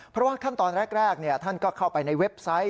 เพราะว่าขั้นตอนแรกท่านก็เข้าไปในเว็บไซต์